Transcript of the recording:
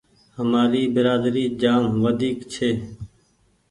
همآري برآدري جآم وڍيڪ ڇي۔